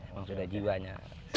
emang sudah jiwanya